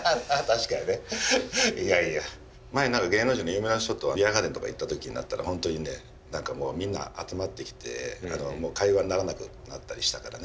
前芸能人の有名な人とビアガーデンとか行った時になったら本当にね何かもうみんな集まってきて会話にならなくなったりしたからね。